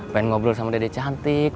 pengen ngobrol sama dede cantik